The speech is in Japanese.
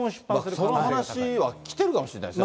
その話は来てるかもしれないですね。